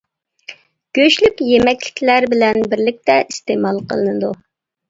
گۆشلۈك يېمەكلىكلەر بىلەن بىرلىكتە ئىستېمال قىلىنىدۇ.